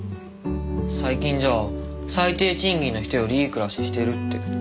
最近じゃ最低賃金の人よりいい暮らししてるって。